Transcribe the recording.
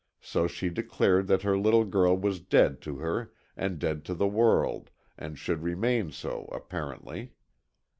So she declared that her little girl was dead to her and dead to the world, and should remain so, apparently.